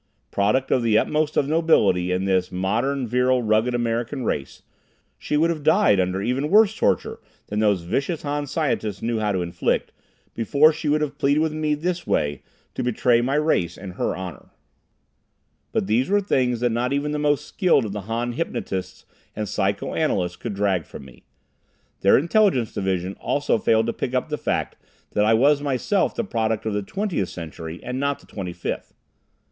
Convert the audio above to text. Product of the utmost of nobility in this modern virile, rugged American race, she would have died under even worse torture than these vicious Han scientists knew how to inflict, before she would have pleaded with me this way to betray my race and her honor. But these were things that not even the most skilled of the Han hypnotists and psychoanalysts could drag from me. Their intelligence division also failed to pick up the fact that I was myself the product of the Twentieth Century and not the Twenty fifth.